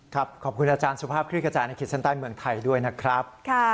ขอบคุณอาจารย์สุภาพคลิกกระจายในขีดเส้นใต้เมืองไทยด้วยนะครับ